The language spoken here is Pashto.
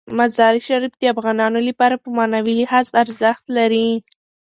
مزارشریف د افغانانو لپاره په معنوي لحاظ ارزښت لري.